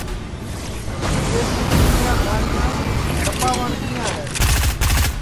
اجئے کُو بھینٚڈؔیاں کھاٹؔیاں سپا وٹؔتیاں ہے